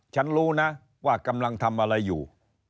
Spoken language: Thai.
ฉันรู้นะว่ากำลังทำอะไรอยู่